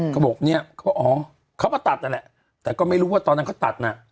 เขาบอกเนี่ยเขาอ๋อเขาก็ตัดนั่นแหละแต่ก็ไม่รู้ว่าตอนนั้นเขาตัดน่ะ